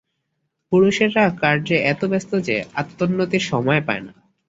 পুরুষেরা কার্যে এত ব্যস্ত যে আত্মোন্নতির সময় পায় না।